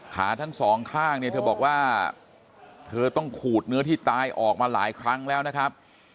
ขาทั้งสองข้างเนี่ยเธอบอกว่าเธอต้องขูดเนื้อที่ตายออกมาหลายครั้งแล้วนะครับ